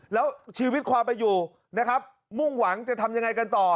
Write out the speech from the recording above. แล้วชีวิตความไปอยู่นะครับมุ่งหวังจะทำยังไงกันต่อ